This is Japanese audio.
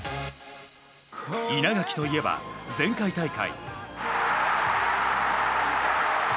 稲垣といえば前回大会。